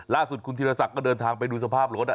ล่าสุดคุณธีรศักดิ์ก็เดินทางไปดูสภาพรถ